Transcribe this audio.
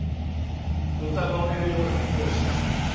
疑われるようなことをした。